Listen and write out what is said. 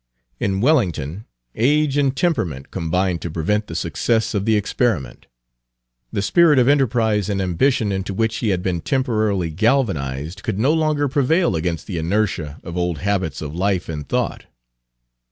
In Wellington age and temperament combined to prevent the success of the experiment; the spirit of enterprise and ambition into which he had been temporarily galvanized could no longer prevail against the inertia of old habits of life and thought.